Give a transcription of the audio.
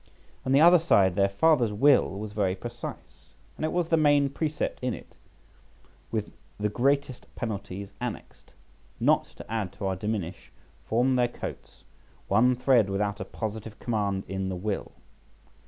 On the other side, their father's will was very precise, and it was the main precept in it, with the greatest penalties annexed, not to add to or diminish from their coats one thread without a positive command in the will.